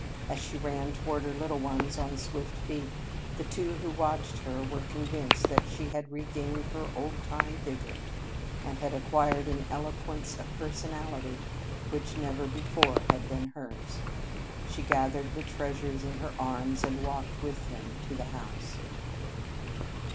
As she ran toward her little ones on swift feet, the two who watched her were convinced that she had regained her old time vigor, and had acquired an eloquence of personality which never before had been hers. She gathered her treasures in her arms and walked with them to the house.